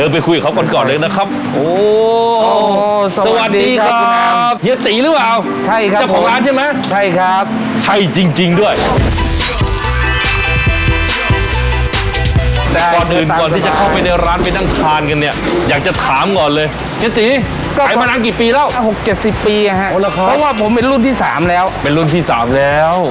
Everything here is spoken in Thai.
เพราะว่าผมเป็นรุ่นที่สามแล้วเป็นรุ่นที่สามแล้ว